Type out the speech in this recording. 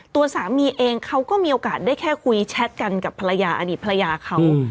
ตัวสามีเองเขาก็มีโอกาสได้แค่คุยแชทกันกับภรรยาอดีตภรรยาเขา